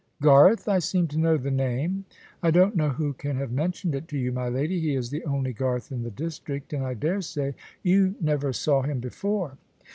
"Garth? I seem to know the name!" "I don't know who can have mentioned it to you, my lady. He is the only Garth in the district, and I daresay you never saw him before."